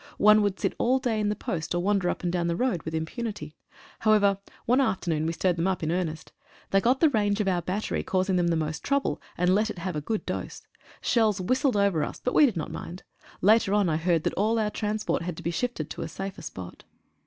One would sit all day in the post, or wander up and down the road with impunity. However, 37 SOME EXPERIENCES. one afternoon we stirred them up in earnest. They got the range of our battery, causing them the most trouble and let it have a good dose. Shells whistled over us but we did not mind. Later on I heard that all our transport had to be shifted to a safer spot.